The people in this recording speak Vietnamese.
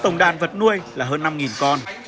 tổng đàn vật nuôi là hơn năm con